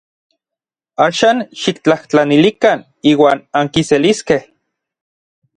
Axan xiktlajtlanilikan iuan ankiseliskej.